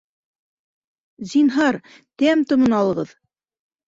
Зинһар, тәм-томон алығыҙ